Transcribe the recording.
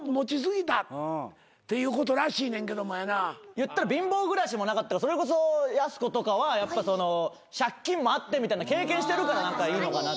いったら貧乏暮らしもなかったからそれこそやす子とかはやっぱ借金もあってみたいな経験してるから何かいいのかな。